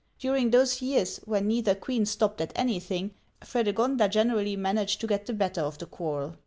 During those years, when neither queen stopped at anything, Fredegonda generally managed to get the better of the quarrel.